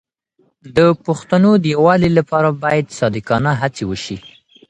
د پښتنو د یووالي لپاره باید صادقانه هڅې وشي.